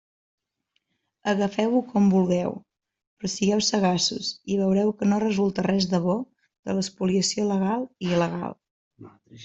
Agafeu-ho com vulgueu, però sigueu sagaços i veureu que no resulta res de bo de l'espoliació legal i il·legal.